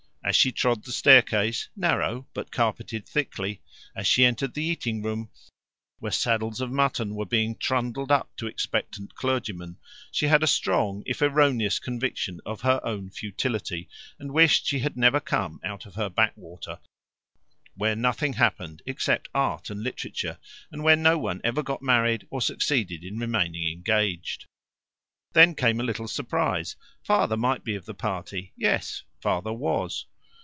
As she trod the staircase, narrow, but carpeted thickly, as she entered the eating room, where saddles of mutton were being trundled up to expectant clergymen, she had a strong, if erroneous, conviction of her own futility, and wished she had never come out of her backwater, where nothing happened except art and literature, and where no one ever got married or succeeded in remaining engaged. Then came a little surprise. "Father might be of the party yes, Father was."